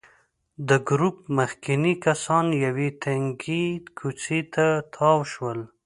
د ګروپ مخکېني کسان یوې تنګې کوڅې ته تاو شول.